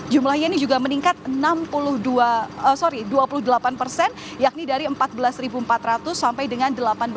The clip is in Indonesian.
jumlahnya ini juga meningkat dua puluh delapan persen yakni dari empat belas empat ratus sampai dengan delapan belas